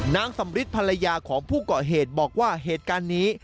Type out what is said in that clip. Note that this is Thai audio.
นางสำริทภรรยาของผู้ก่อเหตุบอกว่าเหตุการณ์นี้